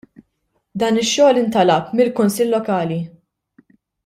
Dan ix-xogħol intalab mill-kunsill lokali.